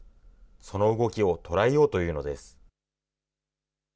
その動きを捉えようというのです。